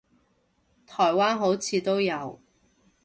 台灣好似都有